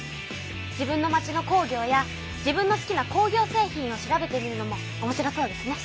自分の町の工業や自分の好きな工業製品を調べてみるのもおもしろそうですね。